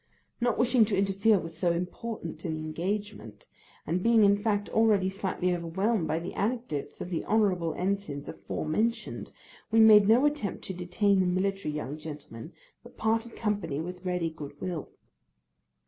Not wishing to interfere with so important an engagement, and being in fact already slightly overwhelmed by the anecdotes of the honourable ensigns afore mentioned, we made no attempt to detain the military young gentleman, but parted company with ready good will.